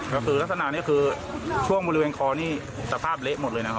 ก็คือลักษณะนี้คือช่วงบริเวณคอนี่สภาพเละหมดเลยนะครับ